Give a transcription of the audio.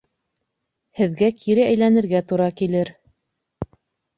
Һеҙгә кире әйләнергә тура килер.